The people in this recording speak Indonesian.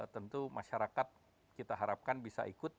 tentu masyarakat kita harapkan bisa ikut